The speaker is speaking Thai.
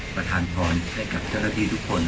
ประธานธรรมและทุกราภิทุกคน